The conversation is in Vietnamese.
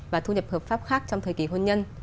và thu nhập hợp pháp khác trong thời kỳ hôn nhân